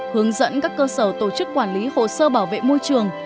hướng dẫn các cơ sở tổ chức quản lý hồ sơ bảo vệ môi trường